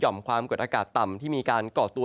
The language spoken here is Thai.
หย่อมความกระบุฏอากาศต่ำที่มีการก่อตัว